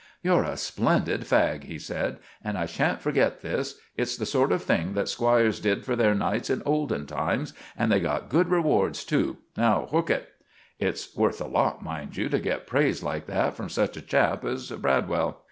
"You're a splendid fag," he said, "and I shan't forget this. It's the sort of thing that squires did for their knights in olden times; and they got good rewards too. Now hook it." It's worth a lot, mind you, to get praise like that from such a chap as Bradwell.